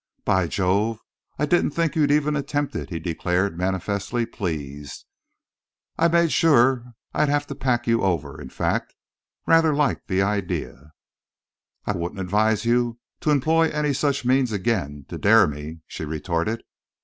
"By Jove! I didn't think you'd even attempt it!" he declared, manifestly pleased. "I made sure I'd have to pack you over—in fact, rather liked the idea." "I wouldn't advise you to employ any such means again—to dare me," she retorted.